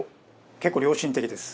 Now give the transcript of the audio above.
結構良心的です。